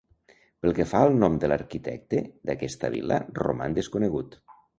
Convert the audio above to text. Pel que fa al nom de l'arquitecte d'aquesta vil·la, roman desconegut.